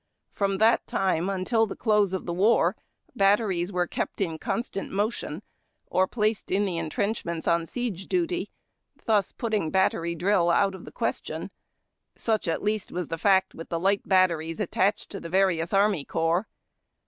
From that time until the close of the war batteries were kept in con stant motion, or placed in the intrenchments on siege duty, thus putting battery drill out of the question ; such at least was the fact with light batteries attached to the various army corps.